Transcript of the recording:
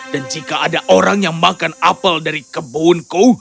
dan jika ada orang yang makan apel dari kebunku